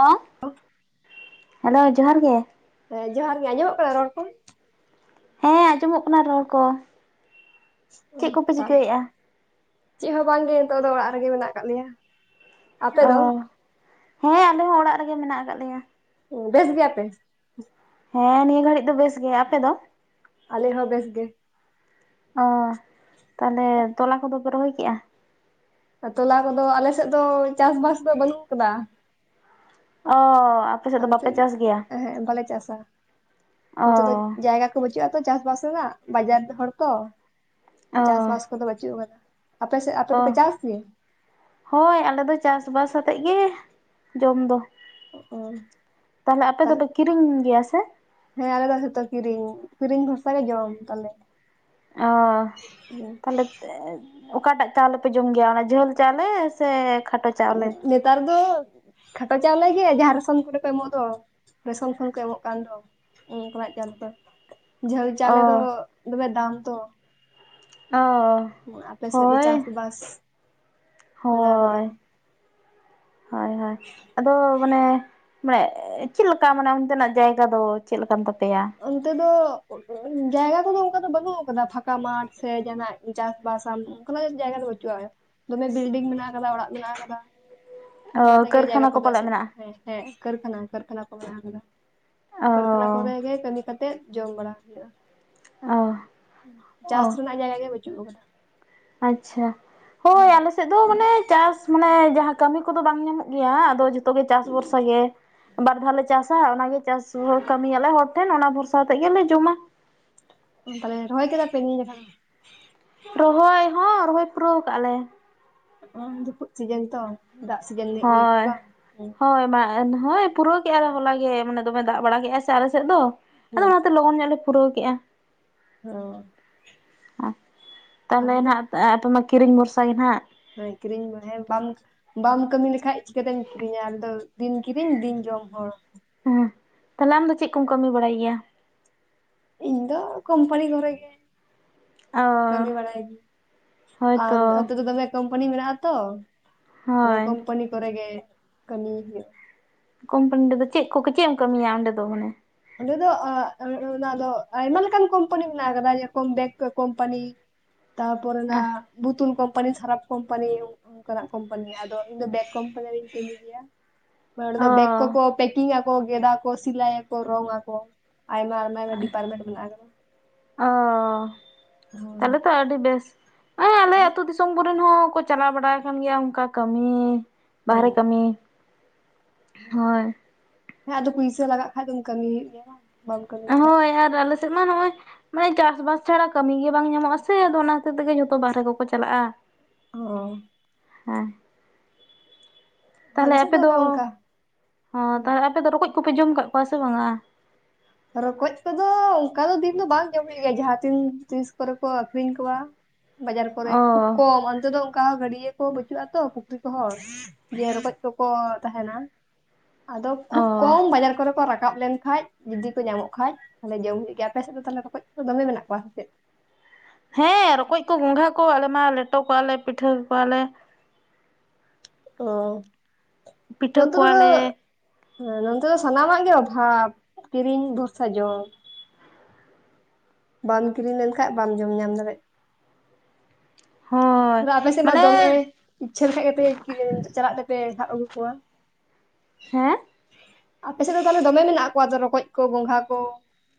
Hello hello ᱡᱚᱦᱟᱸᱨ ᱜᱮ ᱦᱮᱸ ᱡᱚᱦᱟᱨ ᱜᱮᱸᱚᱢᱚᱜ ᱠᱟᱱᱟ ᱨᱚᱲ ᱠᱚ ᱦᱮᱸ ᱟᱸᱡᱚᱢᱚᱜ ᱠᱟᱱᱟ ᱨᱚᱲ ᱠᱚ ᱚ ᱪᱮᱫ ᱠᱚᱯᱮ ᱪᱤᱠᱟᱹᱭᱮᱫᱼᱟ ᱪᱮᱫ ᱦᱚᱸ ᱵᱟᱝᱜᱮ ᱱᱤᱛᱚᱜ ᱫᱚ ᱚᱲᱟᱜ ᱨᱮᱜᱮ ᱢᱮᱱᱟᱜ ᱠᱟᱫ ᱞᱮᱭᱟ ᱟᱯᱮ ᱚ ᱫᱚ ᱦᱮᱸ ᱟᱞᱮ ᱦᱚᱸ ᱚᱲᱟᱜ ᱨᱮᱜᱮ ᱢᱮᱱᱟᱜ ᱟᱠᱟᱫ ᱞᱮᱭᱟ ᱵᱮᱥ ᱜᱮᱭᱟ ᱯᱮ ᱦᱮᱸ ᱱᱤᱭᱟᱹ ᱜᱷᱟᱹᱲᱤᱡ ᱫᱚ ᱵᱮᱥ ᱜᱮ ᱟᱯᱮ ᱫᱚ ᱟᱞᱮ ᱦᱚᱸ ᱵᱮᱥ ᱜᱮ ᱚ ᱛᱟᱦᱚᱞᱮ ᱛᱚᱞᱟ ᱠᱚᱫᱚ ᱯᱮ ᱨᱚᱦᱚᱭ ᱠᱮᱫᱼᱟ ᱛᱚᱞᱟ ᱠᱚᱫᱚ ᱟᱞᱮ ᱥᱮᱫ ᱫᱚ ᱪᱟᱥ ᱵᱟᱥ ᱫᱚ ᱵᱟᱹᱱᱩᱜ ᱟᱠᱟᱫᱟ ᱚ ᱥᱮᱫ ᱫᱚ ᱟᱞ ᱵᱟᱯᱮ ᱪᱮᱫ ᱪᱟᱥ ᱜᱮᱭᱟ ᱦᱮᱸ ᱵᱟᱞᱮ ᱪᱟᱥᱟ ᱚ ᱱᱤᱛ ᱫᱚ ᱡᱟᱭᱜᱟ ᱵᱟᱹᱪᱩᱜ ᱟᱛᱚ ᱪᱟᱥᱵᱟᱥ ᱨᱮᱱᱟᱜ ᱵᱟᱡᱟᱨ ᱨᱮᱱ ᱦᱚᱲ ᱛᱚ ᱚ ᱪᱟᱥᱵᱟᱥ ᱠᱚᱫᱚ ᱵᱟᱟᱹᱪᱩᱜ ᱠᱟᱫᱟ ᱟᱯᱮ ᱥᱮᱫ ᱟᱯᱮ ᱫᱚ ᱚ ᱯᱮ ᱪᱟᱥ ᱦᱳᱭ ᱟᱞᱮ ᱫᱚ ᱪᱟᱥ ᱵᱟᱥ ᱟᱛᱮᱫ ᱜᱮ ᱡᱚᱢ ᱫᱚ ᱚ ᱛᱟᱦᱞᱮ ᱟᱯᱮ ᱫᱚ ᱛᱟᱦᱚᱞᱮ ᱯᱮ ᱠᱤᱨᱤᱧ ᱜᱮᱭᱟ ᱥᱮ ᱦᱮᱸ ᱟᱞᱮ ᱫᱚ ᱡᱚᱛᱚ ᱠᱤᱨᱤᱧ ᱠᱤᱨᱤᱧ ᱵᱷᱚᱨᱥᱟ ᱜᱮ ᱡᱚᱢ ᱛᱟᱞᱮ ᱚ ᱛᱟᱦᱚᱞᱮ ᱚᱠᱟᱴᱟᱜ ᱪᱟᱣᱞᱮ ᱯᱮ ᱡᱚᱢ ᱜᱮᱭᱟ ᱚᱱᱟ ᱡᱷᱟᱹᱞ ᱪᱟᱣᱞᱮ ᱥᱮ ᱠᱷᱟᱴᱚ ᱪᱟ ᱱᱮᱛᱟᱨ ᱫᱚ ᱠᱷᱟᱴᱚ ᱪᱟᱣᱞᱮ ᱜᱮ ᱡᱟᱦᱟᱸ ᱨᱮᱥᱚᱱ ᱠᱚᱨᱮ ᱠᱚ ᱮᱢᱚᱜ ᱫᱚ ᱨᱮᱥᱚᱱ ᱠᱷᱚᱱ ᱠᱚ ᱮᱢᱚᱜ ᱠᱟᱱ ᱫᱚ ᱚᱱᱠᱟᱱᱟᱜ ᱪᱟᱥ ᱫᱚ ᱡᱷᱟᱹᱞ ᱚ ᱪᱟᱣᱞᱮ ᱫᱚ ᱫᱚᱢᱮ ᱫᱟᱢ ᱛᱚ ᱚ ᱟᱯᱮ ᱥᱮᱫ ᱫᱚ ᱦᱳᱭ ᱪᱟᱥᱵᱟᱥ ᱢᱮᱱᱟᱜ ᱟᱠᱟᱫᱟ ᱦᱳᱭ ᱦᱳᱭ ᱦᱳᱭ ᱟᱫᱚ ᱢᱟᱱᱮ ᱢᱟᱱᱮ ᱪᱮᱫ ᱞᱮᱠᱟ ᱢᱟᱱᱮ ᱚᱱᱛᱮᱱᱟᱜ ᱡᱟᱭᱜᱟ ᱫᱚ ᱪᱮᱫ ᱞᱮᱠᱟᱱ ᱛᱟᱯᱮᱭᱟ ᱚᱱᱛᱮ ᱫᱚ ᱡᱟᱭᱜᱟ ᱠᱚᱫᱚ ᱚᱱᱠᱟ ᱫᱚ ᱵᱟᱹᱱᱩᱜ ᱟᱠᱟᱫᱟ ᱯᱷᱟᱸᱠᱟ ᱢᱟᱴᱷ ᱥᱮ ᱡᱮᱱᱟᱜ ᱪᱟᱥᱵᱟᱥ ᱟᱢ ᱚᱱ ᱡᱟᱭᱜᱟ ᱨᱮ ᱵᱟᱹᱪᱩᱜᱼᱟ ᱫᱚᱢᱮ ᱵᱤᱞᱰᱤᱝ ᱢᱮᱱᱟᱜ ᱟᱠᱟᱫᱟ ᱚᱲᱟᱜ ᱢᱮᱱᱟᱜ ᱟᱠᱟᱫᱟ ᱚᱱᱟ ᱛᱮᱜᱮ ᱡᱟᱭᱜᱟ ᱠᱟᱹᱨᱠᱷᱟᱱᱟ ᱠᱚ ᱠᱚᱫᱚ ᱯᱟᱞᱮᱜ ᱮᱥᱮᱫ ᱢᱮᱱᱟᱜᱼᱟ ᱦᱮᱸ ᱦᱮᱸ ᱠᱟᱹᱨᱠᱷᱟᱱᱟ ᱠᱟᱹᱨᱠᱷᱟᱱᱟ ᱠᱚ ᱢᱮᱱᱟᱜ ᱟᱠᱟᱫᱟ ᱚ ᱠᱟᱹᱨᱠᱷᱟᱱᱟ ᱠᱚᱨᱮ ᱜᱮ ᱠᱟᱛᱮ ᱡᱚᱢ ᱵᱟᱲᱟ ᱦᱩᱭᱩᱜᱼᱟ ᱚ ᱚ ᱪᱟᱥ ᱨᱮᱱᱟᱜ ᱡᱟᱭᱜᱟ ᱜᱮ ᱵᱟᱹᱪᱩᱜ ᱟᱠᱟᱫᱟ ᱟᱪᱪᱷᱟ ᱦᱳᱭ ᱟᱞᱮ ᱥᱮᱫ ᱫᱚ ᱢᱟᱱᱮ ᱪᱟᱥ ᱢᱟᱱᱮ ᱡᱟᱦᱟᱸ ᱠᱟᱹᱢᱤ ᱠᱚ ᱫᱚ ᱵᱟᱝ ᱧᱟᱢᱚᱜ ᱜᱮᱭᱟ ᱟᱫᱚ ᱡᱚᱛᱚ ᱜᱮ ᱪᱟᱥ ᱵᱷᱚᱨᱥᱟ ᱜᱮ ᱵᱟᱨ ᱫᱷᱟᱣᱞ ᱞᱮ ᱪᱟᱥ-ᱟ ᱚᱱᱟᱜᱮ ᱪᱟᱥ ᱠᱟᱹᱢᱤ ᱭᱟᱞᱮ ᱦᱚᱲ ᱴᱷᱮᱱ ᱚᱱᱟ ᱵᱷᱚᱨᱥᱟ ᱠᱟᱛᱮᱫ ᱜᱮ ᱞᱮ ᱡᱚᱢᱟ ᱛᱟᱦᱞᱮ ᱨᱚᱦᱚᱭ ᱠᱮᱫᱟ ᱯᱮ ᱱᱤᱭᱟᱹ ᱫᱷᱟᱣ ᱨᱚᱦᱚᱭ ᱦᱚᱸ ᱨᱚᱦᱚᱭ ᱯᱩᱨᱟᱹᱣ ᱠᱟᱜ ᱟᱞᱮ ᱚᱝ ᱡᱩᱛᱩᱜ ᱪᱤᱜᱟᱹᱝ ᱛᱚ ᱫᱟᱜ ᱥᱤᱡᱮᱱ ᱱᱤᱭᱟᱹ ᱠᱟᱱᱟ ᱦᱳᱭ ᱵᱟᱝ? ᱦᱩᱸ ᱦᱳᱭ ᱵᱟ ᱮ ᱦᱳᱭ ᱯᱩᱨᱟᱹᱣ ᱠᱮᱜ ᱟᱞᱮ ᱦᱚᱞᱟ ᱜᱮ ᱢᱟᱱᱮ ᱫᱚᱢᱮ ᱫᱟᱜ ᱵᱟᱲᱟ ᱠᱮᱜᱼᱟᱭ ᱥᱮ ᱟᱞᱮ ᱥᱮᱫ ᱫᱚ ᱟᱫᱚ ᱦᱩᱸ ᱚᱱᱟᱛᱮ ᱞᱚᱜᱚᱱ ᱧᱚᱜ ᱞᱮ ᱯᱩᱨᱟᱹᱣ ᱠᱮᱜᱼᱟ ᱦᱚᱸ ᱚᱸᱹ [unintelligible] ᱛᱟᱦᱚᱞᱮ ᱱᱟᱜ ᱟᱯᱮ ᱢᱟ ᱠᱤᱨᱤᱧ ᱵᱷᱚᱨᱥᱟ ᱜᱮ ᱦᱟᱸᱜ ᱦᱮᱸ ᱠᱤᱨᱤᱧ ᱢᱮ ᱦᱮᱸ ᱵᱟᱝᱠ ᱵᱟᱢ ᱠᱟᱹᱢᱤ ᱞᱮᱠᱷᱟᱡ ᱪᱤᱠᱟᱹᱛᱮᱢ ᱠᱤᱨᱤᱧᱟ ᱟᱫᱚ ᱫᱤᱱ ᱠᱤᱨᱤᱧ ᱫᱤᱱ ᱡᱚᱢ ᱦᱚᱲ ᱦᱮᱸ ᱛᱟᱦᱟᱞᱮ ᱟᱢ ᱫᱚ ᱪᱮᱫ ᱠᱚᱢ ᱠᱟᱹᱢᱤ ᱵᱟᱲᱟᱭ ᱜᱮᱭᱟ ᱤᱧ ᱫᱚ ᱠᱳᱢᱯᱟᱱᱤ ᱠᱚᱨᱮ ᱜᱮ ᱚ ᱠᱟᱹᱢᱤ ᱵᱟᱲᱟᱭ ᱦᱳᱭ ᱟᱨ ᱛᱚ ᱟᱛᱳ ᱫᱚ ᱫᱚᱢᱮ ᱠᱳᱢᱯᱟᱱᱤ ᱢᱮᱱᱟᱜᱼᱟ ᱟ ᱛᱚ ᱟᱫᱚ ᱦᱳᱭ ᱠᱚᱢᱯᱟᱱᱤ ᱠᱚᱨᱮ ᱜᱮ ᱠᱟᱹᱢᱤ ᱦᱩᱭᱩᱜ ᱟ ᱠᱳᱢᱯᱟᱱᱤ ᱨᱮ ᱫᱚ ᱪᱮᱫ ᱠᱚ ᱪᱮᱫ ᱮᱢ ᱠᱟᱹᱢᱤᱭᱟ ᱚᱸᱰᱮ ᱫᱚ ᱢᱟᱱᱮ ᱚᱸᱰᱮ ᱫᱚ ᱚᱸᱜ ᱟᱸ ᱟᱸ ᱚᱱᱟ ᱫᱚ ᱟᱭᱢᱟ ᱞᱮᱠᱟᱱ ᱠᱳᱢᱯᱟᱱᱤ ᱢᱮᱱᱟᱜ ᱟᱠᱟᱫᱟ ᱠᱚᱢ ᱵᱮᱠ ᱠᱚ ᱠᱳᱢᱯᱟᱱᱤ ᱛᱟ ᱯᱚᱨᱮ ᱱᱟ ᱵᱩᱛᱩᱞ ᱠᱚᱢᱯᱟᱱᱤ ᱥᱟᱨᱟᱯ ᱠᱚᱢᱯᱟᱱᱤ ᱩᱱ ᱚᱱᱠᱟᱱᱟᱜ ᱠᱳᱢᱯᱟᱱᱤ ᱟᱫᱚ ᱤᱧ ᱫᱚ ᱵᱮᱜ ᱠᱳᱢᱯᱟᱱᱤ ᱨᱤᱧ ᱠᱟᱹᱢᱤ ᱜᱮᱭᱟ ᱢᱟᱱᱮ ᱚᱸᱰᱮ ᱚ ᱫᱚ ᱵᱮᱜᱽ ᱠᱚ ᱠᱚ ᱯᱮᱠᱤᱝ ᱟᱠᱚ ᱜᱮᱫᱟᱜ ᱠᱚ ᱥᱤᱞᱟᱭ ᱟᱠᱚ ᱨᱚᱝ ᱟᱠᱚ ᱟᱭᱢᱟ ᱟᱨ ᱟᱨᱚ ᱰᱤᱯᱟᱨᱢᱮᱱᱴ ᱢᱮᱱᱟᱜ-ᱟ ᱟᱫᱚ ᱵᱟᱝ ᱚ ᱦᱳᱭ ᱛᱟᱦᱚᱞᱮ ᱛᱚ ᱟᱹᱰᱤ ᱵᱮᱥ ᱦᱮᱸ ᱟᱞᱮ ᱟᱹᱛᱩ ᱫᱤᱥᱚᱢ ᱠᱚ ᱟ ᱨᱮᱱ ᱦᱚᱸ ᱠᱚ ᱪᱟᱞᱟᱣ ᱵᱟᱲᱟ ᱟᱠᱟᱱ ᱜᱮᱭᱟ ᱚᱱᱠᱟ ᱠᱟᱹᱢᱤ ᱵᱟᱦᱟᱨᱮ ᱦᱳᱭ ᱠᱟᱹᱢᱤ ᱦᱳᱭ ᱦᱮᱸ ᱟᱫᱚ ᱯᱩᱭᱥᱟᱹ ᱞᱟᱜᱟᱜ ᱠᱷᱟᱱ ᱫᱚ ᱠᱟᱹᱢᱤ ᱦᱩᱭᱩᱜ ᱜᱮᱭᱟ ᱵᱟᱝ ᱵᱟᱢ ᱠᱟᱹᱢᱤ ᱞᱮᱠᱷᱟᱡ ᱦᱳᱭ ᱟᱨ ᱟᱞᱮ ᱥᱮᱫ ᱢᱟ ᱱᱚᱜᱼᱚᱭ ᱢᱟᱮ ᱪᱟᱥ ᱵᱟᱥ ᱪᱷᱟᱲᱟ ᱠᱟᱹᱢᱤ ᱜᱮ ᱵᱟᱝ ᱧᱟᱢᱚᱜ ᱟ ᱥᱮ ᱟᱫᱚ ᱚᱱᱟ ᱦᱚᱛᱮᱡ ᱛᱮ ᱜᱮ ᱡᱷᱚᱛᱚ ᱵᱟᱦᱟᱨᱮ ᱠᱚ ᱠᱚ ᱪᱟᱞᱟᱜᱼᱟ ᱚ ᱦᱮᱸ ᱟᱞᱮ ᱛᱟᱦᱚᱞᱮ ᱥᱮᱫ ᱟᱯᱮ ᱫᱚ ᱚᱱᱮ ᱚᱱᱠᱟ ᱦᱚᱸ ᱦᱩᱸ ᱛᱟᱦᱚᱞᱮ ᱟᱯᱮ ᱫᱚ ᱨᱚᱠᱚᱡ ᱠᱚ ᱯᱮ ᱡᱚᱢ ᱠᱟᱫ ᱠᱚᱣᱟ ᱥᱮ ᱵᱟᱝᱟ ᱨᱚᱠᱚᱡ ᱠᱚ ᱫᱚ ᱚᱱᱠᱟ ᱫᱚ ᱫᱤᱱ ᱫᱚ ᱵᱟᱝ ᱡᱚᱢ ᱦᱩᱭᱩᱜ ᱜᱮᱭᱟ ᱡᱟᱦᱟᱸ ᱛᱤᱱ ᱛᱤᱥ ᱠᱚ ᱨᱮ ᱠᱚ ᱟᱠᱷᱨᱤᱧ ᱠᱚᱣᱟ ᱵᱟᱡᱟᱨ ᱠᱚ ᱨᱮ ᱚ ᱠᱷᱩᱵᱽ ᱠᱚᱢ ᱚᱱᱛᱮ ᱫᱚ ᱚᱱᱠᱟ ᱜᱟᱹᱰᱭᱟᱹ ᱠᱚ ᱵᱟᱹᱪᱩᱜᱼᱟ ᱛᱚ ᱯᱩᱠᱷᱨᱤ ᱠᱚ ᱦᱚᱸ ᱡᱮ ᱨᱚᱠᱚᱡ ᱠᱚ ᱠᱚ ᱛᱟᱦᱮᱱᱟ ᱟᱫᱚ ᱚ ᱠᱷᱩᱵᱽ ᱠᱚᱢ ᱵᱟᱡᱟᱨ ᱠᱚᱨᱮ ᱠᱚ ᱨᱟᱠᱟᱵ ᱞᱮᱱ ᱠᱷᱟᱡ ᱡᱩᱫᱤ ᱠᱚ ᱧᱟᱢᱚᱜ ᱠᱷᱟᱡ ᱛᱟᱦᱚᱞᱮ ᱡᱚᱢ ᱦᱩᱭᱩᱜ ᱜᱮᱭᱟ ᱟᱯᱮ ᱥᱮᱫ ᱫᱚ ᱛᱟᱦᱚᱞᱮ ᱨᱚᱠᱚᱡ ᱠᱚ ᱫᱚᱢᱮ ᱢᱮᱱᱟᱜ ᱠᱚᱣᱟ ᱥᱮ ᱪᱮᱫ ᱦᱮᱸ ᱨᱚᱠᱚᱡ ᱠᱚ ᱜᱚᱸᱜᱷᱟ ᱠᱚ ᱟᱞᱮ ᱢᱟ ᱞᱮᱴᱚ ᱠᱚᱣᱟᱞᱮ ᱯᱤᱴᱷᱟᱹ ᱠᱚᱣᱟᱞᱮ ᱚ ᱯᱤᱴᱷᱟᱹ ᱩᱛᱩ ᱠᱚ ᱫᱚᱜ ᱠᱚᱣᱟᱞᱮ ᱦᱮᱸ ᱱᱚᱱᱛᱮ ᱫᱚ ᱥᱟᱱᱟᱢᱟᱜ ᱜᱮ ᱚᱵᱷᱟᱵᱽ ᱠᱤᱨᱤᱧ ᱵᱷᱚᱨᱥᱟ ᱡᱚᱢ ᱵᱟᱢ ᱠᱤᱨᱤᱧ ᱞᱮᱱ ᱠᱟᱡ ᱵᱟᱢ ᱡᱚᱢ ᱧᱟᱢ ᱫᱟᱲᱮᱜ ᱦᱳᱭ ᱯᱩᱨᱟᱹ ᱟᱯᱮ ᱥᱮᱫ ᱢᱟ ᱢᱟᱱᱮ ᱫᱚᱢᱮ ᱤᱪᱪᱷᱟᱹ ᱞᱮᱠᱷᱟᱡ ᱜᱮ ᱯᱮ ᱠᱤᱨᱤᱧ ᱪᱟᱞᱟᱜ ᱛᱮᱯᱮ ᱦᱟᱵ ᱟᱹᱜᱩ ᱠᱚᱣᱟ ᱦᱮᱸ ᱟᱯᱮ ᱥᱮᱡ ᱫᱚ ᱛᱟᱦᱚᱞᱮ ᱫᱚᱢᱮ ᱢᱮᱱᱟᱜ ᱠᱚᱣᱟ ᱡᱮ ᱨᱚᱠᱚᱡ ᱠᱚ ᱜᱚᱸᱜᱷᱟ ᱠᱚ᱾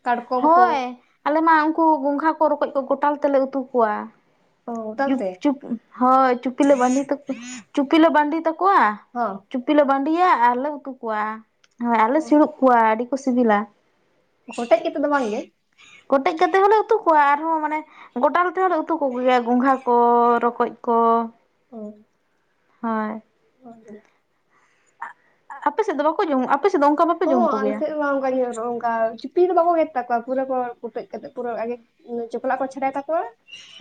ᱠᱟᱴᱠᱚᱢ ᱠᱚ ᱦᱳᱭ ᱟᱞᱮ ᱢᱟ ᱩᱱᱠᱩ ᱜᱚᱸᱜᱷᱟ ᱠᱚ ᱨᱚᱠᱚᱡ ᱠᱚ ᱜᱚᱴᱟᱞ ᱛᱮᱞᱮ ᱩᱛᱩ ᱠᱚᱣᱟ ᱚ ᱛᱟᱢ ᱜᱩᱯ ᱛᱮ ᱪᱩᱯ ᱦᱳᱭ ᱪᱩᱯᱤᱞᱮ ᱵᱟᱸᱹᱰᱤ ᱛᱟᱠᱚ ᱪᱩᱯᱤᱞᱮ ᱵᱟᱸᱹᱰᱤ ᱛᱟᱠᱚᱣᱟ ᱦᱚᱸ ᱪᱩᱯᱤ ᱞᱮ ᱵᱟᱺᱫᱤᱭᱟ ᱟᱨ ᱞᱮ ᱩᱛᱩ ᱠᱚᱣᱟ ᱦᱳᱭ ᱟᱨᱞᱮ ᱥᱤᱲᱩᱵᱽ ᱠᱚᱣᱟ ᱟᱹᱰᱤ ᱠᱚ ᱥᱤᱵᱤᱞᱟ ᱠᱚᱢᱮᱡ ᱠᱟᱛᱮᱫ ᱫᱚ ᱵᱟᱝ ᱜᱮ ᱠᱚᱴᱮᱡ ᱠᱟᱛᱮ ᱦᱚᱸ ᱞᱮ ᱩᱛᱩ ᱠᱚᱣᱟ ᱟᱨᱦᱚᱸ ᱢᱟᱱᱮ ᱜᱚᱴᱟᱞ ᱛᱮ ᱦᱚᱸᱞᱮ ᱩᱛᱩ ᱠᱚᱜᱮᱭᱟ ᱜᱚᱸᱜᱷᱟ ᱠᱚ ᱨᱚᱠᱚᱡ ᱠᱚ ᱦᱳᱭ ᱦᱳᱭ [inaudible] ᱟᱯᱮ ᱥᱮᱫ ᱫᱚ ᱵᱟᱠᱚ ᱧᱟᱢᱚᱜ ᱟ ᱟᱯᱮᱥᱮᱜ ᱫᱚ ᱚᱝᱠᱟ ᱚ ᱟᱞᱮ ᱥᱮᱜ ᱚᱱᱠᱟᱜᱮ ᱱᱚᱼᱚᱝᱠᱟᱭ ᱪᱩᱯᱤ ᱫᱚ ᱵᱟᱠᱚ ᱜᱮᱫ ᱛᱟᱠᱚᱣᱟ ᱯᱩᱨᱟᱹ ᱠᱚ ᱠᱩᱴᱮᱡ ᱠᱟᱛᱮᱜ ᱯᱩᱨᱟᱹ ᱟᱜᱮ ᱩᱸ ᱪᱚᱠᱞᱟᱜ ᱠᱚ ᱪᱷᱟᱰᱟᱭ ᱛᱟᱠᱚᱣᱟ᱾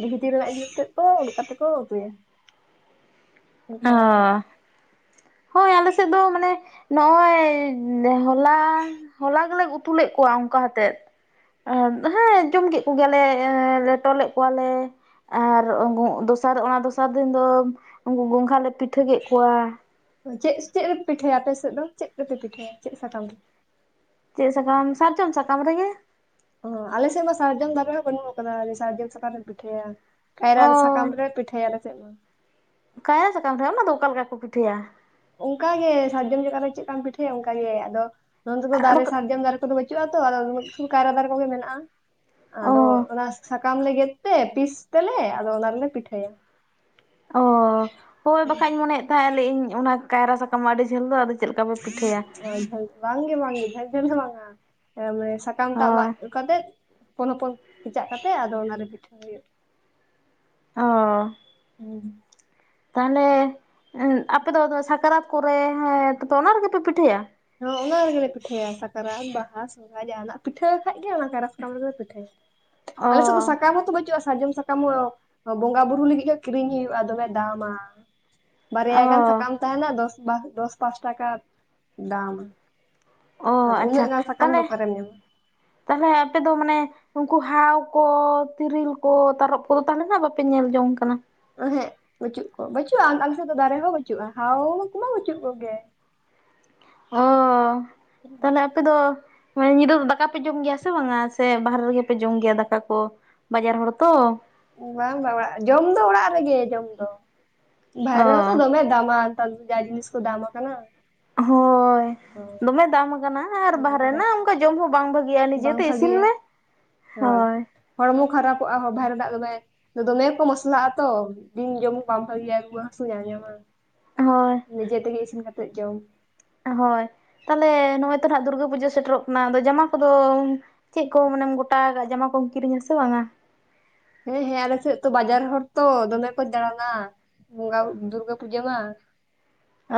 ᱰᱤᱦᱤᱛᱤᱨ ᱨᱮᱱᱟ ᱤᱭᱟᱹᱛᱮᱫ ᱠᱚ [unintelligible] ᱩᱰᱠ ᱠᱟᱛᱮᱫ ᱠᱚ ᱩᱛᱩᱭᱟ ᱚᱱᱠᱟ ᱟᱻ ᱦᱳᱭ ᱟᱞᱮ ᱥᱮᱫ ᱫᱚ ᱢᱟᱱᱮ ᱱᱚᱜᱼᱚᱭ ᱵᱚᱝᱜᱚ ᱦᱚᱞᱟ ᱦᱚᱞᱟ ᱜᱮᱞᱮ ᱜᱩᱛᱩᱞᱮᱜ ᱠᱚᱣᱟ ᱚᱝᱠᱟ ᱦᱟᱛᱮᱫ᱾ ᱦᱮᱸ ᱡᱚᱢ ᱠᱮᱫ ᱠᱚᱜᱮᱭᱟᱞᱮ ᱞᱮᱴᱚᱞᱮᱫ ᱠᱚᱣᱟᱞᱮ ᱟᱨ ᱚᱝᱼᱚ ᱫᱚᱥᱟᱨ ᱚᱱᱟ ᱫᱚᱥᱟᱨ ᱫᱤᱱ ᱫᱚ ᱩᱱᱠᱩ ᱜᱚᱝᱜᱷᱦᱟ ᱞᱮ ᱯᱤᱴᱷᱟᱹ ᱠᱮᱜ ᱠᱚᱣᱟ᱾ ᱪᱮᱜ ᱪᱮᱜ ᱨᱮᱯ ᱯᱤᱴᱷᱟᱹᱭᱟ ᱟᱯᱮ ᱥᱮᱜ ᱫᱚ ᱪᱮᱫ ᱨᱮᱯᱮ ᱯᱤᱴᱷᱟᱹᱭᱟ ᱪᱮᱜ ᱥᱟᱠᱟᱢ ᱨᱮ? ᱪᱮᱫ ᱥᱟᱠᱟᱢ ᱥᱟᱨᱡᱚᱢ ᱥᱟᱠᱟᱢ ᱨᱮᱜᱮ᱾ ᱚ ᱟᱞᱮᱥᱮᱜ ᱢᱟ ᱥᱟᱨᱡᱚᱢ ᱫᱟᱨᱮ ᱦᱚᱸ ᱵᱟᱹᱱᱩᱜ ᱟᱠᱟᱫᱟ ᱥᱟᱨᱡᱚᱢ ᱥᱟᱠᱟᱢ ᱨᱮᱢ ᱯᱤᱴᱷᱟᱹᱭᱟ᱾ ᱠᱟᱭᱨᱟ ᱚ ᱨᱮ ᱥᱟᱠᱟᱢ ᱨᱮ ᱯᱤᱴᱷᱟᱹᱭᱟ ᱞᱮ ᱪᱮᱜ ᱫᱚ᱾ ᱠᱟᱭᱨᱟ ᱥᱟᱠᱟᱢ ᱫᱷᱚ ᱚᱱᱟ ᱫᱚ ᱚᱠᱟ ᱞᱮᱠᱟ ᱠᱚ ᱯᱤᱴᱷᱟᱹᱭᱟ? ᱚᱱᱠᱟ ᱜᱮ ᱥᱟᱨᱡᱚᱢ ᱡᱮᱠᱟᱨᱮ ᱪᱮᱜ ᱠᱟᱢ ᱯᱤᱴᱷᱟᱹᱭᱟ ᱚᱱᱠᱟᱜ ᱜᱮ ᱟᱫᱚ ᱱᱚᱱᱛᱮ ᱫᱚ ᱟᱫᱚ ᱫᱟᱨᱮ ᱥᱟᱨᱡᱚᱢ ᱫᱟᱨᱮ ᱫᱚ ᱵᱟᱹᱪᱩᱜᱼᱟ ᱛᱚ [inaudible] ᱠᱟᱭᱨᱟ ᱫᱟᱨᱮ ᱠᱚᱜᱮ ᱢᱮᱱᱟᱜᱼᱟ᱾ ᱚ ᱟᱫᱚ ᱚᱱᱟ ᱥᱟᱠᱟᱢ ᱞᱮ ᱜᱮᱫ ᱛᱮ ᱯᱤᱥ ᱛᱮᱞᱮ ᱟᱫᱚ ᱚᱱᱟ ᱨᱮᱞᱮ ᱯᱤᱴᱷᱟᱹᱭᱟ᱾ ᱚ ᱦᱳᱭ ᱵᱟᱠᱷᱟᱡ ᱤᱧ ᱢᱚᱱᱮᱭᱮᱫ ᱛᱟᱦᱮᱸ ᱞᱤᱧ ᱤᱧ ᱚᱱᱟ ᱠᱟᱭᱨᱟ ᱥᱟᱠᱟᱢ ᱟᱹᱰᱤ ᱡᱷᱟᱹᱞ ᱫᱚ ᱟᱫᱚ ᱪᱮᱫ ᱞᱮᱠᱟ ᱯᱮ ᱯᱤᱴᱷᱟᱹᱭᱟ ᱮ ᱡᱷᱟᱹᱞ ᱵᱟᱝᱜᱮ ᱵᱟᱝᱜᱮ ᱡᱷᱟᱹᱞ ᱡᱷᱟᱹᱞ ᱫᱚ ᱵᱟᱝᱟ ᱮ ᱢᱟᱱᱮ ᱟᱠᱟᱢᱴᱟᱜ ᱢᱟ ᱦᱳᱭ ᱠᱟᱛᱮᱫ ᱦᱚᱯᱚᱱ ᱦᱚᱯᱚᱱ ᱠᱮᱪᱟᱜ ᱠᱟᱛᱮ ᱟᱫᱚ ᱚᱱᱟᱨᱮ ᱯᱤᱴᱷᱟᱹ ᱦᱩᱭᱩᱜᱼᱟ᱾ ᱚᱻ᱾ ᱦᱩ᱾ ᱛᱟᱦᱚᱞᱮ ᱩᱸᱜ ᱟᱯᱮ ᱫᱚ ᱛᱚ ᱥᱟᱠᱨᱟᱛ ᱠᱚᱨᱮ ᱦᱮᱸ ᱛᱚᱯᱮ ᱚᱱᱟ ᱨᱮᱜᱮ ᱯᱮ ᱯᱤᱴᱷᱟᱹᱭᱟ᱾ ᱦᱚ ᱚᱱᱟ ᱨᱮᱜᱮᱞᱮ ᱯᱤᱴᱷᱟᱹᱭᱟ ᱥᱟᱠᱨᱟᱛ, ᱵᱟᱦᱟ, ᱥᱚ ᱱᱚᱠᱟ ᱡᱟᱦᱟᱱᱟᱜ ᱯᱤᱴᱷᱟᱹ ᱠᱷᱟᱡ ᱜᱮ ᱚᱱᱟ ᱠᱟᱨᱟ ᱥᱟᱠᱟᱢ ᱨᱮᱜᱮᱞᱮ ᱯᱤᱴᱷᱟᱹᱭᱟ, ᱚ ᱟᱞᱮ ᱥᱮᱫ ᱫᱚ ᱥᱟᱠᱟᱢ ᱦᱚᱸᱛᱚ ᱵᱟᱹᱪᱩᱜᱼᱟ᱾ ᱥᱟᱨᱡᱚᱢ ᱥᱟᱠᱟᱢ ᱦᱚᱸ ᱵᱚᱸᱜᱟ ᱵᱩᱨᱩ ᱞᱟᱹᱜᱤᱜ ᱜᱮ ᱠᱤᱨᱤᱧ ᱦᱩᱭᱩᱜᱼᱟ ᱫᱚᱢᱮ ᱫᱟᱢᱟ᱾ ᱵᱟᱨᱭᱟ ᱜᱟᱱ ᱚ ᱥᱟᱠᱟᱢ ᱛᱟᱦᱮᱱᱟ ᱫᱚᱥ ᱵᱟ ᱫᱚᱥ ᱯᱟᱸᱥ ᱴᱟᱠᱟ ᱵᱟᱝ, ᱚ ᱫᱚ ᱟᱪᱪᱷᱟ ᱩᱱᱟᱹᱜ ᱜᱟᱱ ᱥᱟᱠᱟᱢ ᱫᱚ ᱛᱟᱦᱚᱞᱮ ᱚᱠᱟᱨᱮᱢ ᱧᱟᱢᱟ? ᱛᱟᱦᱚᱞᱮ ᱟᱯᱮ ᱫᱚ ᱢᱟᱱᱮ ᱩᱝᱠᱩ ᱦᱟᱣ ᱠᱚ ᱛᱤᱨᱤᱞ ᱠᱚ ᱛᱟᱨᱚᱯ ᱠᱚᱫᱚ ᱛᱟᱦᱚᱞᱮ ᱱᱟᱜ ᱵᱟᱯᱮ ᱧᱮᱞ ᱡᱚᱝ ᱠᱟᱱᱟ᱾ ᱦᱮᱜ ᱵᱟᱹᱪᱩᱜ ᱠᱚ ᱵᱟᱹᱪᱩᱜᱼᱟ ᱟᱞᱮ ᱥᱮᱫ ᱫᱚ ᱫᱟᱨᱮ ᱦᱚᱸ ᱵᱟᱹᱪᱩᱜᱼᱟ ᱦᱟᱣ ᱠᱚᱢᱟ ᱵᱟᱹᱪᱩᱜ ᱠᱚᱜᱮ᱾ ᱚᱻ ᱛᱟᱦᱚᱞᱮ ᱟᱯᱮ ᱫᱚ ᱢᱟᱱᱮ ᱧᱤᱫᱟᱹ ᱫᱚ ᱫᱟᱠᱟ ᱯᱮ ᱡᱚᱢ ᱜᱮᱭᱟ ᱥᱮ ᱵᱟᱝᱟ? ᱥᱮ ᱵᱟᱦᱮᱨᱮ ᱨᱮᱜᱮ ᱯᱮ ᱡᱚᱢ ᱜᱮᱭᱟ ᱫᱟᱠᱟ ᱠᱚ ᱵᱟᱡᱟᱨ ᱦᱚᱲ ᱛᱚ᱾ ᱵᱟᱝ ᱵᱟᱝ ᱚᱲᱟᱜ ᱡᱚᱢ ᱫᱚ ᱚᱲᱟᱜ ᱨᱮᱜᱮ ᱡᱚᱢ ᱫᱚ ᱵᱟᱭᱨᱮ ᱦᱚᱸᱛᱚ ᱫᱚᱢᱮ ᱚ ᱫᱟᱢᱟᱱ [inaudible] ᱡᱟᱭ ᱡᱤᱱᱤᱥ ᱠᱚ ᱫᱟᱢ ᱟᱠᱟᱱᱟ᱾ ᱦᱳᱭ ᱫᱚᱢᱮ ᱫᱟᱢ ᱟᱠᱟᱱᱟ ᱟᱨ ᱫᱚᱢᱮ ᱵᱟᱦᱮᱨᱮ ᱫᱟᱢ ᱱᱟᱜ ᱟᱠᱟᱱᱟ ᱚᱱᱠᱟ ᱡᱚᱢ ᱦᱚᱸ ᱵᱟᱝ ᱵᱷᱟᱜᱤᱜᱼᱟ ᱵᱟᱝ ᱱᱤᱡᱮᱛᱮ ᱤᱥᱤᱱ ᱵᱷᱟᱜᱮᱭᱟ ᱢᱮ, ᱦᱳᱭ᱾ ᱦᱚᱲᱢᱚ ᱠᱷᱟᱨᱟᱯᱚᱜᱼᱟ ᱦᱚᱵᱷᱟᱨ ᱫᱟᱜ ᱫᱚ ᱵᱟᱭ ᱫᱚᱢᱮ ᱠᱚ ᱢᱚᱥᱞᱟᱜ ᱟᱛᱚ ᱫᱤᱱ ᱡᱚᱢ ᱵᱟᱝ ᱵᱷᱟᱹᱜᱤᱭᱟ ᱨᱩᱣᱟᱹ ᱦᱟᱹᱥᱩ ᱧᱟᱧᱟᱢᱟ᱾ ᱦᱳᱭ᱾ ᱱᱤᱡᱮ ᱛᱮᱜᱮ ᱤᱥᱤᱱ ᱠᱟᱛᱮᱫ ᱡᱚᱢ᱾ ᱦᱳᱭ, ᱛᱟᱦᱞᱮ ᱱᱚᱜᱼᱚᱭ ᱛᱚ ᱱᱟᱦᱟᱸᱜ ᱫᱩᱨᱜᱟᱹ ᱯᱩᱡᱟᱹ ᱥᱮᱴᱮᱨᱚᱜ ᱠᱟᱱᱟ ᱟᱫᱚ ᱡᱟᱢᱟ ᱠᱚᱫᱚ ᱪᱮᱫ ᱠᱚ ᱢᱟᱱᱮᱢ ᱜᱚᱴᱟ ᱟᱠᱟ ᱡᱟᱢᱟ ᱠᱚᱢ ᱠᱤᱨᱤᱧᱟ ᱥᱮ ᱵᱟᱝᱟ? ᱦᱮᱸ ᱦᱮᱸ ᱟᱞᱮ ᱥᱮᱫ ᱛᱚ ᱵᱟᱡᱟᱨ ᱦᱚᱲ ᱛᱚ ᱫᱚᱢᱮ ᱠᱚ ᱫᱟᱲᱟᱱᱟ᱾ ᱵᱚᱸᱜᱟᱭ ᱫᱩᱨᱜᱟᱹ ᱯᱩᱡᱟᱹ ᱢᱟ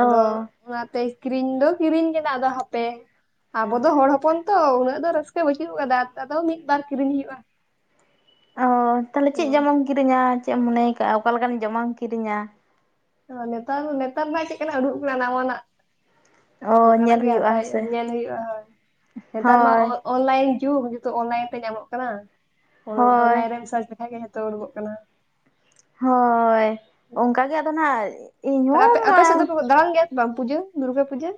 ᱟᱫᱚ ᱚᱱᱟᱛᱮ ᱠᱤᱨᱤᱧ ᱫᱚ ᱠᱤᱨᱤᱧ ᱠᱮᱫ ᱟᱫᱚ ᱦᱟᱯᱮ ᱟᱵᱚ ᱫᱚ ᱦᱚᱲ ᱦᱚᱯᱚᱱ ᱛᱚ ᱩᱱᱟᱹᱜ ᱫᱚ ᱨᱟᱹᱥᱠᱟᱹ ᱵᱟᱹᱪᱩᱜ ᱟᱠᱟᱫᱟ, ᱛᱚ ᱟᱫᱚ ᱢᱤᱫᱼᱵᱟᱨ ᱠᱤᱨᱤᱧ ᱦᱩᱭᱩᱜᱼᱟ᱾ ᱚᱻ ᱛᱟᱦᱚᱞᱮ ᱪᱮᱫ ᱡᱟᱢᱟᱢ ᱦᱮᱸ ᱠᱤᱨᱤᱧᱟ ᱪᱮᱫ ᱮᱢ ᱢᱚᱱᱮ ᱠᱟᱜᱼᱟ ᱚᱠᱟᱞᱮᱠᱟᱱ ᱡᱚᱢᱟᱢ ᱠᱤᱨᱤᱧᱟ ᱱᱮᱛᱟᱨ ᱱᱮᱛᱟᱨ ᱢᱟ ᱪᱮᱫᱠᱟᱞᱮ [unintelligible] ᱱᱟᱣᱟᱱᱟᱜ ᱚ ᱚᱱᱠᱟᱱᱟᱜ ᱧᱮᱞ ᱜᱮ ᱦᱟᱛᱟᱣ ᱦᱮᱸᱥᱮ ᱦᱩᱭᱩᱜᱼᱟ ᱧᱮᱞ ᱦᱩᱭᱩᱜᱼᱟ ᱦᱳᱭ ᱱᱮᱛᱟᱨ ᱢᱟ ᱦᱳᱭ ᱚᱱᱞᱟᱭᱤᱱ ᱡᱩᱜᱽ ᱡᱷᱚᱛᱚ ᱚᱱᱞᱟᱭᱤᱱ ᱛᱮ ᱧᱟᱢᱚᱜ ᱠᱟᱱᱟ ᱦᱳᱭ ᱚᱱᱞᱟᱭᱤᱱ ᱨᱮᱢ ᱥᱟᱨᱪ ᱞᱮᱠᱷᱟᱱ ᱜᱮ ᱛᱚ ᱟ. ᱨᱩᱵᱚᱜ ᱠᱟᱱᱟ ᱦᱳᱭ ᱚᱱᱠᱟᱜᱮ ᱟᱫᱚ ᱱᱟᱦᱟᱜ ᱤᱧᱦᱚᱸ [unintelligible] ᱵᱟᱢ ᱯᱩᱡᱟᱹ ᱫᱩᱨᱜᱟ ᱯᱩᱡᱟᱹ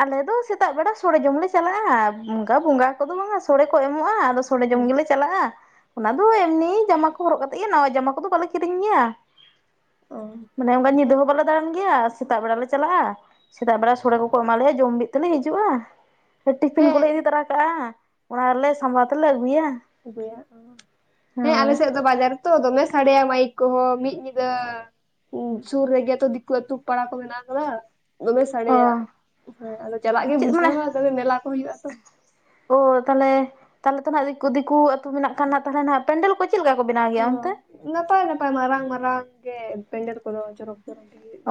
ᱟᱞᱮ ᱫᱚ ᱥᱮᱛᱟᱜ ᱵᱮᱲᱟ ᱥᱚᱲᱮ ᱡᱚᱢ ᱞᱮ ᱪᱟᱞᱟᱜᱼᱟ ᱚᱱᱠᱟ ᱵᱚᱸᱜᱟ ᱠᱚ ᱫᱚ ᱵᱟᱝᱟ ᱥᱚᱲᱮ ᱠᱚ ᱮᱢᱚᱜᱼᱟ ᱟᱫᱚ ᱥᱚᱲᱮ ᱡᱚᱢ ᱜᱮ ᱞᱮ ᱪᱟᱞᱟᱜᱼᱟ ᱚᱱᱟ ᱫᱚ ᱮᱢᱱᱤ ᱡᱟᱢᱟ ᱠᱚ ᱦᱚᱨᱚᱜ ᱠᱟᱛᱮ ᱜᱮ ᱱᱟᱣᱟ ᱡᱟᱢᱟ ᱠᱚ ᱫᱚ ᱵᱟᱞᱮ ᱠᱤᱨᱤᱧ ᱜᱮᱭᱟ ᱚ ᱢᱟᱱᱮ ᱚᱱᱠᱟ ᱧᱤᱫᱟᱹ ᱦᱮᱸ ᱦᱚᱸ ᱵᱟᱞᱮ ᱫᱟᱬᱟᱱ ᱜᱮᱭᱟ ᱥᱮᱛᱟᱜ ᱵᱮᱲᱟ ᱞᱮ ᱪᱟᱞᱟᱜᱼᱟ ᱥᱮᱛᱟᱜ ᱵᱮᱲᱟ ᱥᱚᱲᱮ ᱠᱚ ᱠᱚ ᱮᱢᱟᱞᱮᱭᱟ ᱡᱚᱢ ᱵᱤᱜ ᱛᱮᱞᱮ ᱦᱤᱡᱩᱜᱼᱟ ᱴᱤᱯᱷᱤᱱ ᱠᱚᱞᱮ ᱦᱮᱸ ᱤᱫᱤᱛᱟᱨᱟ ᱠᱟᱜ ᱟ ᱚᱱᱟ ᱨᱮᱞᱮ ᱥᱟᱵᱟᱣ ᱛᱮᱞᱮ ᱟᱹᱜᱩᱭᱟ ᱟᱜᱩᱭᱟ ᱦᱮᱸ ᱟᱞᱮ ᱦᱳᱭ ᱥᱮᱫ ᱫᱚ ᱵᱟᱡᱟᱨ ᱛᱚ ᱫᱚᱢᱮ ᱥᱟᱰᱮᱭᱟ ᱢᱟᱭᱤᱠ ᱠᱚᱦᱚᱸ ᱢᱤᱫ ᱧᱤᱫᱟᱹ ᱩᱸ ᱥᱩᱨ ᱨᱮᱜ ᱛᱚ ᱫᱤᱠᱩ ᱟ. ᱛᱩ ᱯᱟᱲᱟ ᱠᱚ ᱢᱮᱱᱟᱜ ᱠᱟᱫᱟ ᱫᱚᱢᱮ ᱚ ᱥᱟᱲᱮᱭᱟᱜ ᱦᱮᱸ ᱟᱫᱚ ᱪᱟᱞᱟᱜ ᱜᱮ ᱪᱮᱫ ᱢᱟᱱᱮ ᱵᱩᱡᱷᱟᱹᱣᱟ ᱫᱚᱢᱮ ᱢᱮᱞᱟ ᱠᱚ ᱦᱩᱭᱩᱜ ᱟ ᱛᱚ ᱚ ᱛᱟᱦᱚᱞᱮ ᱛᱟᱦᱚᱞᱮ ᱛᱚ ᱟᱜ ᱫᱤᱠ ᱫᱤᱠᱩ ᱟᱹᱛᱩ ᱢᱮᱱᱟᱜ ᱠᱷᱟᱱ ᱛᱚᱞᱮ ᱯᱮᱱᱰᱮᱞ ᱠᱚ ᱪᱮᱫ ᱞᱮᱠᱟ ᱠᱚ ᱵᱮᱱᱟᱣ ᱜᱮᱭᱟ ᱚᱱᱛᱮ ᱦᱚᱸ ᱱᱟᱯᱟᱭ ᱱᱟᱯᱟᱭ ᱢᱟᱨᱟᱝ ᱢᱟᱨᱟᱝ ᱜᱮ [unintelligible]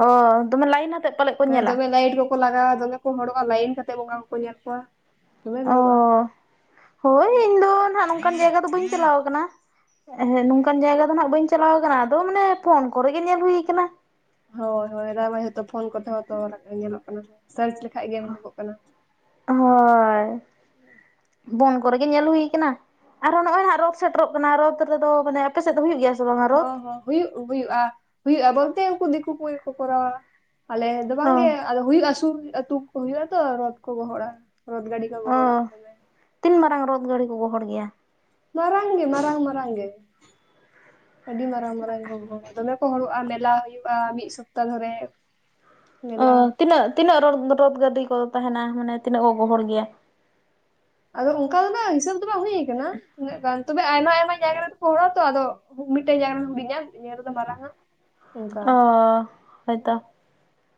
ᱚᱻ ᱫᱚᱢᱮ ᱞᱟᱭᱤᱱ ᱟᱛᱮᱫ ᱯᱟᱞᱮᱫ ᱠᱚ ᱦᱮᱸ ᱧᱮᱞᱟ ᱫᱚᱢᱮ ᱞᱟᱭᱤᱴ ᱠᱚᱠᱚ ᱞᱟᱜᱟᱣᱟ ᱫᱚᱢᱮ ᱠᱚ ᱦᱚᱲᱚᱜᱼᱟ ᱞᱟᱭᱤᱱ ᱠᱟᱛᱮ ᱵᱚᱸᱜᱟ ᱠᱚᱠᱚ ᱧᱮᱞ ᱠᱚᱣᱟ ᱫᱚᱢᱮ ᱵᱷᱤᱲᱚᱜᱼᱟ ᱚ ᱦᱳᱭ ᱤᱧ ᱫᱚ ᱱᱟᱜ ᱱᱚᱝᱠᱟᱱ ᱡᱟᱭᱜᱟ ᱫᱚ ᱵᱟᱹᱧ ᱪᱟᱞᱟᱣ ᱠᱟᱱᱟ ᱦᱮᱸ ᱱᱚᱝᱠᱟᱱ ᱡᱟᱭᱜᱟ ᱫᱚ ᱱᱟᱜ ᱵᱟᱹᱧ ᱪᱟᱞᱟᱣ ᱠᱟᱱᱟ ᱟᱫᱚ ᱢᱟᱱᱮ ᱯᱷᱳᱱ ᱠᱚᱨᱮ ᱜᱮ ᱧᱮᱞ ᱦᱩᱭ ᱠᱟᱱᱟ ᱦᱳᱭ ᱦᱳᱭ ᱦᱚᱞᱟ ᱢᱟᱫᱷᱮᱨ ᱛᱚ ᱯᱷᱳᱱ ᱠᱚ ᱛᱟᱸᱦᱮ ᱠᱟᱱᱟ ᱧᱮᱞᱚᱜ ᱠᱟᱱᱟ ᱥᱟᱨᱪ ᱞᱮᱠᱷᱟᱡ ᱜᱮ ᱩᱰᱠᱚᱜ ᱠᱟᱱᱟ ᱦᱳᱭ ᱵᱚᱱ ᱠᱚᱨᱮ ᱜᱮ ᱧᱮᱞ ᱦᱩᱭ ᱠᱟᱱᱟ ᱟᱨᱦᱚᱸ ᱱᱚᱜᱼᱚᱭ ᱦᱟᱜ ᱨᱚᱛᱷ ᱥᱮᱴᱮᱨᱚᱜ ᱠᱟᱱᱟ ᱨᱚᱛᱷ ᱨᱮᱫᱚ ᱢᱟᱱᱮ ᱟᱯᱮᱥᱮᱫ ᱫᱚ ᱦᱩᱭᱩᱜ ᱜᱮᱭᱟ ᱥᱮ ᱵᱟᱝᱟ ᱨᱚᱛ ᱦᱚᱸ ᱦᱚᱸ ᱦᱩᱭᱩᱜ ᱦᱩᱭᱩᱜᱼᱟ ᱦᱩᱭᱩᱜᱼᱟ ᱵᱚᱞᱛᱮ ᱩᱱᱠᱩ ᱫᱤᱠᱩ ᱠᱚ ᱜᱮ ᱠᱚ ᱠᱚᱨᱟᱣᱟ ᱟᱞᱮ ᱫᱚ ᱚ ᱵᱟᱝᱜᱮ ᱟ ᱦᱩᱭᱩᱜᱼᱟ ᱥᱩᱨ ᱟᱛᱩ ᱠᱚ ᱦᱩᱭᱩᱜᱼᱟ ᱛᱚ ᱨᱚᱫ ᱠᱚ ᱜᱚᱦᱚᱲᱟ ᱨᱚᱫ ᱜᱟᱹᱰᱤ ᱚ ᱜᱚᱦᱚᱲᱟᱝ ᱫᱚ ᱮ ᱛᱤᱱ ᱢᱟᱨᱟᱝ ᱨᱚᱫ ᱜᱟᱹᱲᱤ ᱠᱚ ᱜᱚᱦᱚᱲ ᱜᱮᱭᱟ ᱢᱟᱨᱟᱝ ᱜᱮ ᱢᱟᱨᱟᱝ ᱢᱟᱨᱟᱝ ᱜᱮ ᱟᱹᱰᱤ ᱢᱟᱨᱟᱝ ᱢᱟᱨᱟᱝ [unintelligible] ᱫᱚᱢᱮ ᱠᱚ ᱦᱚᱲᱚᱜᱼᱟ ᱢᱮᱞᱟ ᱦᱩᱭᱩᱜᱼᱟ ᱢᱤᱫ ᱥᱚᱯᱛᱟ ᱫᱷᱚᱨᱮ ᱚ ᱢᱮᱞᱟ ᱛᱤᱱᱟᱹᱜ ᱛᱤᱱᱟᱹᱜ ᱨᱳᱫ ᱜᱟᱹᱰᱤ ᱠᱚ ᱛᱟᱦᱮᱱᱟ ᱢᱟᱱᱮ ᱛᱤᱱᱟᱹᱜ ᱠᱚ ᱜᱚᱦᱚᱲ ᱜᱮᱭᱟ ᱟᱫᱚ ᱚᱱᱠᱟ ᱫᱚᱱᱟᱜ ᱦᱤᱥᱟᱹᱵᱽ ᱫᱚ ᱵᱟᱝ ᱦᱩᱭᱩ ᱠᱟᱱᱟ ᱛᱤᱱᱟᱹᱜ ᱜᱟᱱ ᱛᱚᱵᱮ ᱟᱭᱢᱟ ᱟᱭᱢᱟ ᱡᱟᱭᱜᱟ ᱨᱮᱫᱚᱠᱚ ᱦᱚᱲ ᱟ ᱛᱚ ᱟᱫᱚ ᱢᱤᱫᱴᱮᱱ ᱡᱟᱭᱜᱟ ᱨᱮ ᱦᱩᱰᱤᱧᱟ ᱢᱤᱫᱴᱮᱱ ᱡᱟᱭᱜᱟ ᱨᱮᱫᱚ ᱢᱟᱨᱟᱝᱼ ᱟ ᱚ ᱦᱚᱭᱛᱚ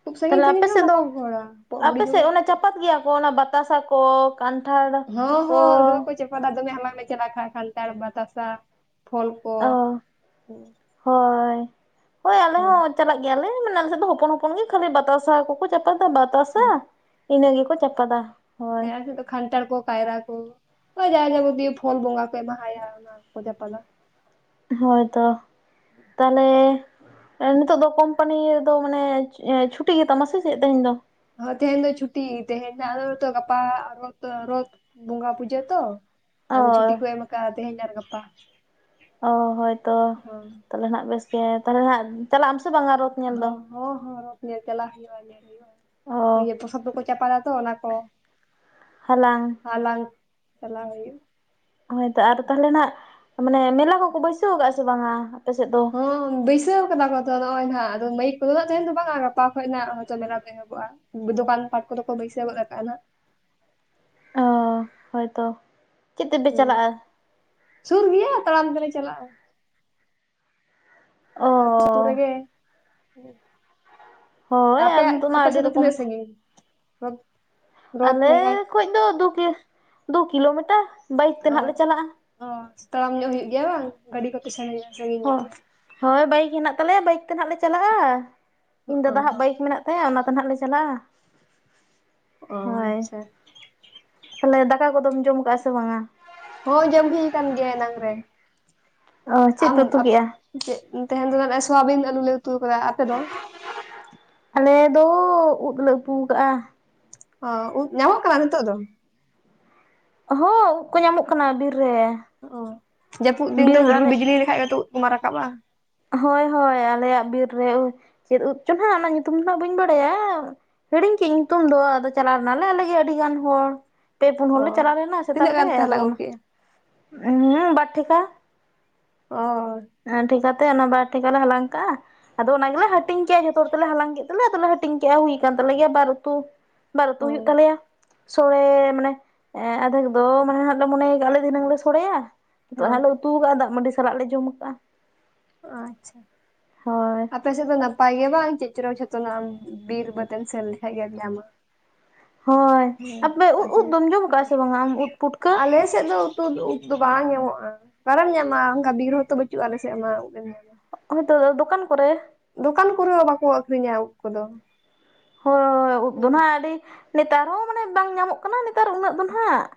ᱠᱷᱩᱵ ᱥᱟᱺᱜᱤᱧ ᱛᱟᱦᱞᱮ ᱟᱯᱮ ᱥᱟᱺᱜᱤᱧ ᱦᱚᱸ ᱥᱮᱫ ᱵᱟᱠᱚ ᱫᱚ ᱜᱚᱦᱚᱲᱟ ᱟᱯᱮ ᱦᱩᱰᱤᱧ ᱥᱮᱫ ᱦᱩᱰᱤᱧ ᱚᱱᱟ ᱛᱮ ᱪᱟᱯᱟᱫ ᱜᱮᱭᱟ ᱠᱚ ᱚᱱᱟ ᱵᱟᱛᱟᱥᱟ ᱠᱚ ᱠᱟᱱᱴᱷᱟᱲ ᱦᱚᱸ ᱠᱚ ᱦᱚᱸ ᱫᱚᱢᱮ ᱠᱚ ᱫᱚᱢᱮ ᱦᱟᱞᱟᱝ ᱞᱮ ᱪᱟᱞᱟᱜ ᱠᱷᱟᱱ ᱠᱷᱟᱱ ᱛᱟᱲᱢᱟ ᱛᱟᱥᱟ ᱯᱷᱚᱞ ᱠᱚ ᱚ ᱦᱮᱸ ᱦᱳᱭ ᱦᱳᱭ ᱟᱞᱮ ᱦᱮᱸ ᱦᱚᱸ ᱪᱟᱞᱟᱜ ᱜᱮᱭᱟᱞᱮ ᱢᱟᱱᱮ ᱟᱞᱮ ᱥᱮᱫ ᱫᱚ ᱦᱚᱯᱚᱱ ᱦᱚᱯᱚᱱ ᱜᱮ ᱠᱷᱟᱹᱞᱤ ᱵᱟᱛᱟᱥᱟ ᱠᱚᱠᱚ ᱪᱟᱯᱟᱫᱟ ᱵᱟᱛᱟᱥᱟ ᱤᱱᱟᱹ ᱜᱮᱠᱚ ᱪᱟᱯᱟᱫᱟ ᱦᱳᱭ ᱦᱮᱸ ᱟᱞᱮ ᱥᱮᱫ ᱫᱚ ᱠᱷᱟᱱᱴᱟᱲ ᱠᱚ ᱠᱟᱭᱨᱟ ᱚ ᱡᱟ ᱡᱟᱵᱚᱛᱤᱭᱚ ᱯᱷᱚᱞ ᱵᱚᱸᱜᱟ ᱠᱚ ᱮᱢᱟᱦᱟᱭᱟ ᱚᱱᱟ ᱜᱮᱠᱚ ᱪᱟᱯᱟᱫᱟ ᱦᱳᱭ ᱛᱚ ᱛᱟᱦᱞᱮ ᱱᱤᱛᱚᱜ ᱫᱚ ᱠᱳᱢᱯᱟᱱᱤ ᱨᱮᱫᱚ ᱢᱟᱱᱮ ᱪᱷᱩᱴᱤ ᱜᱮᱛᱟᱢᱟ ᱥᱮ ᱪᱮᱫ ᱛᱮᱦᱮᱧ ᱫᱚ ᱦᱚᱸ ᱛᱮᱦᱮᱧ ᱫᱚ ᱪᱷᱩᱴᱤ ᱛᱮᱦᱮ ᱟ ᱜᱟᱯᱟ ᱨᱚᱛ ᱨᱚᱛ ᱵᱚᱸᱜᱟ ᱯᱩᱡᱟᱹ ᱛᱚ ᱚ ᱟᱫᱚ ᱪᱷᱩᱴᱤ ᱠᱚ ᱮᱢ ᱠᱟᱜ -ᱟ ᱛᱮᱦᱮᱧ ᱟᱨ ᱜᱟᱯᱟ ᱚ ᱦᱳᱭ ᱛᱚ ᱦᱚᱸ ᱛᱟᱞᱮ ᱱᱟᱜ ᱵᱮᱥ ᱜᱮ ᱛᱟᱞᱮ ᱦᱟᱜ ᱪᱟᱞᱟᱜ ᱟᱢ ᱥᱮ ᱵᱟᱝ ᱼᱟ ᱨ ᱦᱚᱸ ᱦᱚᱸ ᱦᱚᱸ ᱨᱚᱛ ᱧᱮᱞ ᱪᱟᱞᱟᱜ ᱦᱩᱭᱩᱜ-ᱟ, ᱧᱮᱞ ᱦᱩᱭᱩᱜ-ᱟ᱾ ᱚ ᱤᱭᱟᱹ ᱯᱷᱚᱥᱚᱯ ᱠᱚᱠᱚ ᱪᱟᱯᱟᱫᱟ ᱛᱚ ᱚᱱᱟ ᱠᱚ᱾ ᱦᱟᱞᱟᱝ᱾ ᱦᱟᱞᱟᱝ ᱪᱟᱞᱟᱣ ᱦᱩᱭᱩᱜ᱾ ᱦᱳᱭᱛᱚ ᱟᱨ ᱛᱟᱦᱞᱮ ᱱᱟᱜ ᱢᱟᱱᱮ ᱢᱮᱞᱟ ᱠᱚᱠᱚ ᱵᱟᱹᱭᱥᱟᱹᱣ ᱠᱟᱜᱼᱟ ᱥᱮ ᱵᱟᱝ-ᱟ ᱟᱯᱮ ᱥᱮᱫ ᱫᱚ᱾ ᱦᱚᱸ ᱵᱟᱹᱭᱥᱟᱹᱣ ᱠᱟᱫᱟ ᱠᱚ ᱛᱚ ᱱᱚᱜᱼᱚᱭ ᱱᱟᱦᱟᱜ ᱟᱫᱚ ᱢᱟᱹᱭᱤᱠ ᱠᱚᱫᱚᱟᱜ ᱛᱟᱦᱮᱧ ᱫᱚ ᱵᱟᱝᱼᱟ ᱜᱟᱯᱟ ᱠᱷᱚᱡ ᱱᱟᱜ ᱦᱳᱭᱛᱚ ᱢᱮᱱᱟᱜ ᱢᱮ᱾ [unintelligible] ᱚᱜᱼᱟ ᱜᱚᱡᱚᱯᱟᱱ ᱛᱟᱠᱚ ᱫᱚᱠᱚ ᱵᱟᱹᱭᱥᱟᱹᱶ ᱜᱟᱜ ᱛᱟᱦᱮᱱᱟ᱾ ᱚ ᱦᱳᱭ ᱛᱚ ᱪᱮᱫ ᱛᱮᱯᱮ ᱦᱩᱸ ᱪᱟᱞᱟᱜᱼᱟ? ᱥᱩᱨ ᱜᱮᱭᱟ ᱛᱟᱲᱟᱢ ᱛᱮᱞᱮ ᱪᱟᱞᱟᱜᱼᱟ᱾ ᱚ ᱟᱪᱪᱷᱟ ᱩᱛᱩ ᱨᱮᱜᱮ᱾ ᱦᱳᱭ ᱟᱯᱮᱭᱟᱜ ᱟᱢᱫᱚ ᱢᱟ ᱟᱯᱮ ᱟᱹᱰᱤ ᱥᱮᱫ ᱫᱚ ᱨᱚᱠᱚᱢ ᱛᱤᱱᱟᱹᱜ ᱥᱟᱺᱜᱤᱧ᱾ ᱨᱚᱛ ᱟᱞᱮ ᱵᱚᱸᱜᱟ ᱠᱷᱚᱡ ᱫᱚ ᱫᱩ ᱠᱤ ᱫᱩ ᱠᱤᱞᱳᱢᱤᱴᱟᱨ ᱵᱟᱭᱤᱠ ᱛᱮ ᱚ ᱱᱟᱦᱟᱜ ᱞᱮ ᱪᱟᱞᱟᱜᱼᱟ᱾ ᱚ ᱛᱟᱲᱟᱢ ᱧᱚᱜ ᱦᱩᱭᱩᱜ ᱜᱮᱭᱟ ᱵᱟᱝ ᱜᱟᱹᱰᱤ ᱠᱚᱯᱮ ᱥᱟᱺᱜᱤᱧ ᱥᱟᱺᱜᱤᱧ ᱧᱚᱜ ᱦᱚᱸ ᱜᱮᱭᱟ᱾ ᱦᱳᱭ ᱵᱟᱭᱤᱠ ᱦᱮᱱᱟᱜ ᱛᱟᱞᱮᱭᱟ ᱵᱟᱭᱤᱠ ᱛᱮ ᱱᱟᱦᱟᱜ ᱞᱮ ᱪᱟᱞᱟᱜᱼᱟ ᱤᱧ ᱚ ᱫᱟᱫᱟ ᱦᱟᱜ ᱵᱟᱭᱤᱠ ᱢᱮᱱᱟᱜ ᱛᱟᱭᱟ ᱚᱱᱟᱛᱮ ᱱᱟᱦᱟᱜ ᱞᱮ ᱪᱟᱞᱟᱜᱼᱟ᱾ ᱚ ᱟᱪᱪᱷᱟ᱾ ᱛᱟᱦᱮᱞᱮ ᱫᱟᱠᱟ ᱠᱚᱫᱚᱢ ᱡᱚᱢ ᱠᱟᱜᱼᱟ ᱥᱮ ᱵᱟᱝ-ᱟ? ᱦᱳᱭ ᱡᱚᱢ ᱦᱩᱭ ᱠᱟᱱ ᱜᱮᱭᱟ ᱮᱱᱟᱝ ᱨᱮ᱾ ᱚ ᱪᱮᱫ ᱯᱮ ᱩᱛᱩ ᱠᱮᱜᱼᱟ? ᱠᱮᱜ, ᱛᱟᱴᱮᱦᱮᱱᱴᱧ ᱫᱚ ᱡᱮᱢᱚᱱ ᱥᱚᱣᱟᱵᱤᱱ ᱟᱞᱩ ᱞᱮ ᱩᱛᱩ ᱠᱟᱫᱟ ᱟᱯᱮ ᱫᱚ ᱟᱞᱮ ᱫᱚ ᱩᱫ ᱞᱮ ᱩᱛᱩ ᱠᱟᱜ-ᱟ᱾ ᱚ ᱩᱫ ᱧᱟᱢᱚᱜ ᱠᱟᱱᱟ ᱱᱤᱛᱚᱜ ᱫᱚ᱾ ᱦᱚᱸ ᱩᱫ ᱠᱚ ᱧᱟᱢᱚᱜ ᱠᱟᱱᱟ ᱵᱤᱨ ᱨᱮ᱾ ᱚ ᱡᱟᱹᱯᱩᱫ ᱫᱤᱱ ᱫᱚ ᱵᱤᱨ ᱦᱩᱰᱩᱨ ᱟᱞᱮ ᱵᱤᱡᱽᱞᱤ ᱞᱮᱠᱷᱟᱡ ᱜᱮᱛᱚ ᱩᱫ ᱠᱚᱢᱟ ᱨᱟᱠᱟᱵ-ᱟ᱾ ᱦᱳᱭ ᱦᱳᱭ ᱟᱞᱮᱭᱟᱜ ᱵᱤᱨ ᱨᱮ ᱪᱮᱫ ᱩᱫ ᱪᱚ ᱱᱟᱜ ᱚᱱᱟ ᱧᱩᱛᱩᱢ ᱫᱚ ᱵᱟᱹᱧ ᱵᱟᱲᱟᱭᱟ᱾ ᱦᱮᱲᱤᱧ ᱠᱮᱜ ᱤᱧ ᱧᱩᱛᱩᱢ ᱫᱚ ᱟᱫᱚ ᱪᱟᱞᱟᱣ ᱱᱟᱞᱮ ᱟᱞᱮ ᱜᱮ ᱟᱹᱰᱤ ᱜᱟᱱ ᱦᱚᱲ᱾ ᱯᱮ ᱯᱩᱱ ᱚ ᱦᱚᱲ ᱞᱮ ᱪᱟᱞᱟᱣ ᱞᱮᱱᱟ ᱥᱮᱛᱟᱜ ᱛᱤᱱᱟᱹᱜ ᱨᱮ ᱜᱟᱱ ᱛᱟᱦᱚᱞᱮ ᱟᱫᱚ ᱟᱹᱜᱩ ᱚᱱᱟ, ᱠᱮᱜᱼᱟ ᱦᱮᱸ ᱵᱟᱨ ᱴᱷᱤᱠᱟ᱾ ᱚ ᱧᱮᱞ ᱴᱷᱤᱠᱟ ᱠᱟᱛᱮᱫ ᱚᱱᱟ ᱵᱟᱨ ᱴᱷᱤᱠᱟ ᱞᱮ ᱦᱟᱞᱟᱝ ᱠᱟᱜᱼᱟ᱾ ᱟᱫᱚ ᱚᱱᱟ ᱜᱮᱞᱮ ᱦᱟᱹᱴᱤᱧ ᱠᱮᱜ-ᱟ ᱡᱷᱚᱛᱚ ᱦᱚᱲ ᱛᱮᱞᱮ ᱦᱟᱞᱟᱝ ᱠᱮᱫ ᱛᱮᱞᱮ ᱟᱫᱚᱞᱮ ᱦᱟᱹᱴᱤᱧ ᱠᱮᱜᱼᱟ ᱦᱩᱭ ᱠᱟᱱ ᱛᱟᱞᱮ ᱜᱮᱭᱟ ᱵᱟᱨ ᱩᱛᱩ᱾ ᱵᱟᱨ ᱩᱛᱩ ᱚ ᱦᱩᱭᱩᱜ ᱛᱟᱞᱮᱭᱟ᱾ ᱥᱚᱲᱮᱹᱻ ᱢᱟᱱᱮ ᱟᱫᱷᱮᱠ ᱫᱚ ᱢᱟᱱᱮ ᱦᱟᱸᱜ ᱞᱮ ᱢᱚᱱᱮᱭᱟᱠᱟᱜ-ᱟ ᱞᱮ ᱫᱷᱤᱱᱟᱹᱝ ᱞᱮ ᱥᱚᱲᱮᱭᱟ᱾ ᱱᱤᱛᱚᱜ ᱦᱚᱸ ᱦᱟᱸᱜ ᱞᱮ ᱩᱛᱩᱣᱟᱠᱟᱜᱼᱟ ᱫᱟᱜ ᱢᱟᱹᱰᱤ ᱥᱟᱞᱟᱜ ᱞᱮ ᱡᱚᱢ ᱠᱟᱜᱼᱟ᱾ ᱚ ᱟᱪᱪᱷᱟ ᱦᱳᱭ ᱟᱯᱮ ᱥᱮᱫ ᱫᱚ ᱱᱟᱯᱟᱭ ᱜᱮ ᱵᱟᱝ ᱪᱮᱫ ᱪᱚᱨᱚᱠ ᱡᱷᱚᱜ ᱪᱟᱞᱟᱣᱮᱱ ᱵᱤᱨ ᱵᱟᱹᱫ ᱮᱢ ᱥᱮᱱ ᱞᱮᱠᱷᱟᱡ ᱜᱮᱢ ᱧᱟᱢᱟ᱾ ᱦᱳᱭ ᱦᱮᱸ ᱟᱯᱮ ᱩᱫ ᱟᱫᱚ ᱩᱫ ᱫᱚᱢ ᱡᱚᱢ ᱠᱟᱜᱼᱟ ᱥᱮ ᱵᱟᱝᱼᱟ ᱟᱢ ᱩᱫ ᱯᱩᱴᱠᱟᱹ᱾ ᱪᱮᱫ ᱫᱚ ᱩᱛᱩ ᱩ ᱩᱫ ᱫᱚ ᱵᱟᱝ ᱧᱟᱢᱚᱜᱼᱟ ᱚᱠᱟ ᱨᱮᱢ ᱧᱟᱢᱟ ᱚᱝᱠᱟ ᱵᱤᱨ ᱦᱚᱸᱛᱚ ᱵᱟᱹᱪᱩᱜᱼᱟ ᱟᱞᱮ ᱥᱮᱫ ᱢᱟ ᱩᱫ ᱮᱢ ᱧᱟᱢᱟ᱾ ᱦᱳᱭ ᱛᱚ ᱫᱚᱠᱟᱱ ᱠᱚᱨᱮ᱾ ᱫᱚᱠᱟᱱ ᱠᱚᱨᱮ ᱦᱚᱸ ᱵᱟᱠᱚ ᱟᱹᱠᱷᱨᱤᱧ-ᱟ ᱩᱫ ᱠᱚᱫᱚ᱾ ᱦᱳᱭ ᱩᱫ ᱫᱚ ᱦᱮᱸ ᱱᱟᱜ ᱟᱹᱰᱤ ᱱᱮᱛᱟᱨ ᱦᱚᱸ ᱢᱟᱱᱮ ᱵᱟᱝ ᱧᱟᱢᱚᱜ ᱠᱟᱱᱟ ᱱᱮᱛᱟᱨ ᱩᱱᱟᱹᱜ ᱫᱚ ᱱᱟᱦᱟᱜ᱾